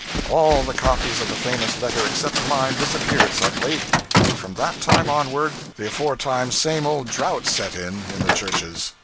All the copies of the famous letter except mine disappeared suddenly; and from that time onward, the aforetime same old drought set in in the churches.